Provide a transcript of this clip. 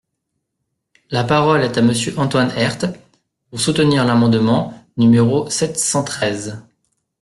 La parole est à Monsieur Antoine Herth, pour soutenir l’amendement numéro sept cent treize.